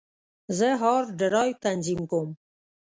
زه هارد ډرایو تنظیم کوم.